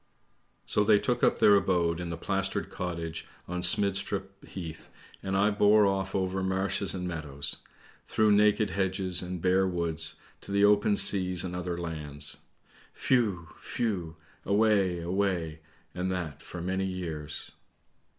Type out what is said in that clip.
" So they took up their abode in the plastered cottage on Smidstrup Heath, and I bore off over marshes and meadows, through naked hedges and bare woods, to the open seas and other lands. Whew! whew! away, away! and that for many years."